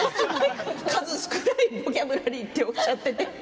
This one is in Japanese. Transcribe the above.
数少ないボキャブラリーとおっしゃっていて。